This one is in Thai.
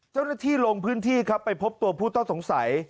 เจ้าหน้าที่ลงพื้นที่ครับไปพบตัวผู้ต้องสงสัย